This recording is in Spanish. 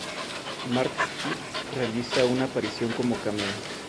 Mark Spitz realiza una aparición como cameo.